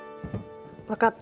わかった！